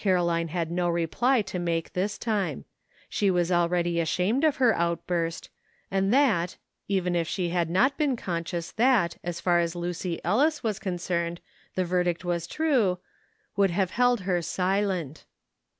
Caroline had no reply to make this time. She was already ashamed of her outburst, and that — even if she had not been conscious that, as far as Lucy Ellis was concerned, the verdict was true — would have held her silent.